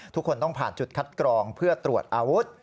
ทุกคนต้องผ่านจุดคัดกรองเพื่อตรวจอาวุธ